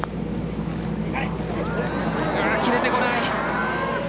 切れてこない。